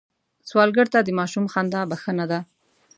سوالګر ته د ماشوم خندا بښنه ده